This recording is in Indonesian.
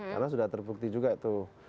karena sudah terbukti juga tuh